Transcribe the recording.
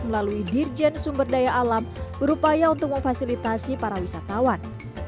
melalui dirjen sumber daya alam berupaya untuk memfasilitasi para wisatawan